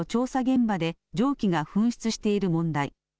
現場で蒸気が噴出している問題。